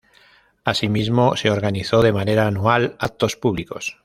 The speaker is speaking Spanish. Asimismo se organizó de manera anual actos públicos.